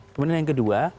kemudian yang kedua